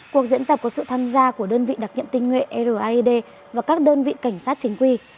cuộc diễn tập có sự tham gia của đơn vị đặc nhiệm tinh nguyện raed và các đơn vị cảnh sát chính quy